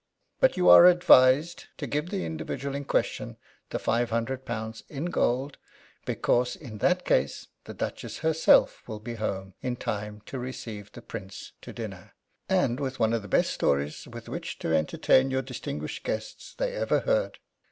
But you are advised to give the individual in question the five hundred pounds in gold, because in that case the Duchess herself will be home in time to receive the Prince to dinner, and with one of the best stories with which to entertain your distinguished guests they ever heard.